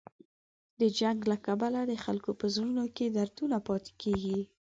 د جنګ له کبله د خلکو په زړونو کې دردونه پاتې کېږي.